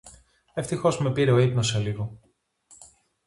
Ευτυχώς με πήρε ο ύπνος σε λίγο